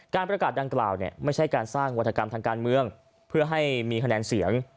ประกาศดังกล่าวเนี่ยไม่ใช่การสร้างวัฒกรรมทางการเมืองเพื่อให้มีคะแนนเสียง